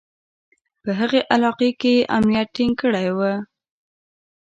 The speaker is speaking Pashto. په هغه علاقه کې یې امنیت ټینګ کړی و.